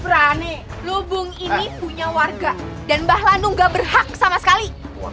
berani lubung ini punya warga dan mbah lanu gak berhak sama sekali